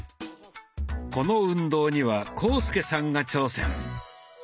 この運動には浩介さんが挑戦。